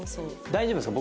大丈夫ですか？